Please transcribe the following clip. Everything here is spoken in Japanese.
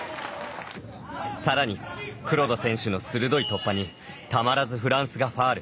さらに、黒田選手の鋭い突破にたまらずフランスがファウル。